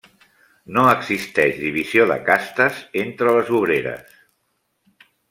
No existeix divisió de castes entre les obreres.